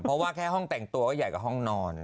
เพราะว่าแค่ห้องแต่งตัวก็ใหญ่กว่าห้องนอน